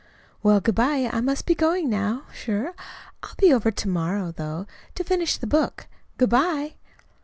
"Well, good bye, I must be going now, sure. I'll be over to morrow, though, to finish the book. Good bye."